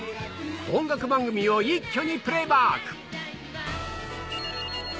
音楽番組を一挙にプレイバック。